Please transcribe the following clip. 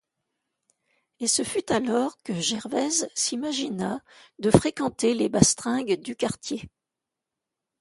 Et ce fut alors que Gervaise s'imagina de fréquenter les bastringues du quartier.